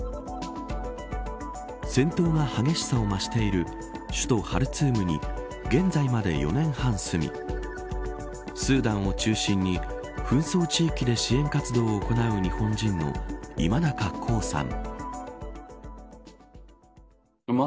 戦闘が激しさを増している首都ハルツームに現在まで４年半住みスーダンを中心に紛争地域で支援活動を行う日本人の今中航さん。